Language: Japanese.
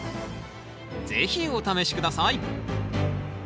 是非お試し下さい。